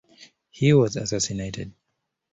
He was assassinated.